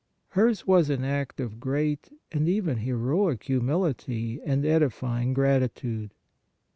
Hers was an act of great and even heroic humility and edifying gratitude.